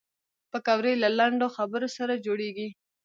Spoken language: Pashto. پکورې له لنډو خبرو سره جوړېږي